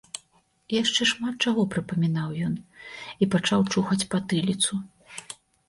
І яшчэ шмат чаго прыпамінаў ён і пачаў чухаць патыліцу.